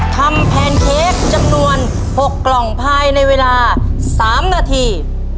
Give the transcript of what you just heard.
ทำแพนเค้กจำนวนหกกล่องพายในเวลาสามนาที